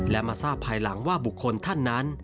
และมาทราบภายหลังว่าบุคคลท่านนั้น